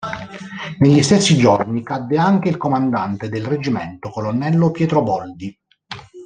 Negli stessi giorni, cadde anche il comandante del reggimento, colonnello Pietro Boldi.